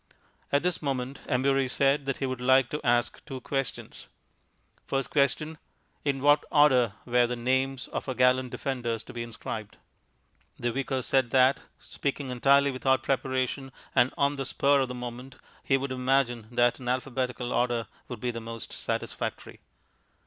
At this moment Embury said that he would like to ask two questions. First question In what order were the names of our gallant defenders to be inscribed? The Vicar said that, speaking entirely without preparation and on the spur of the moment, he would imagine that an alphabetical order would be the most satisfactory.